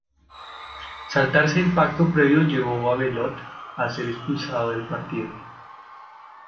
Saltarse el pacto previo, llevó a Bellot a ser expulsado del partido.